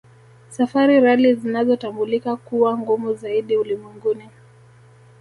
Safari Rally zinazotambulika kuwa ngumu zaidi ulimwenguni